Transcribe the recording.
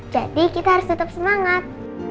jadi kita harus tetap semangat